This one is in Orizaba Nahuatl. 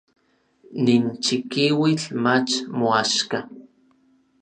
Nin chikiuitl mach moaxka.